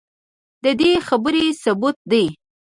ددې خبرې ثبوت دے